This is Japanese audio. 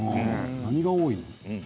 何が多いの？